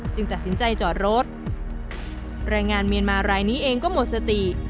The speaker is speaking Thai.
ตัดสินใจจอดรถแรงงานเมียนมารายนี้เองก็หมดสติ